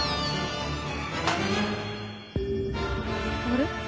あれ？